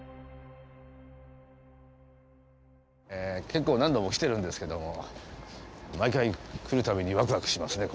結構何度も来てるんですけども毎回来るたびにワクワクしますね